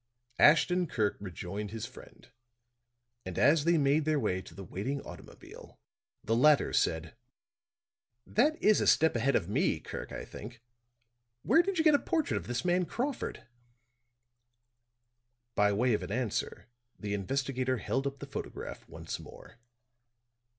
Ashton Kirk rejoined his friend; and as they made their way to the waiting automobile, the latter said; "That is a step ahead of me, Kirk, I think. Where did you get a portrait of this man Crawford?" By way of an answer the investigator held up the photograph once more.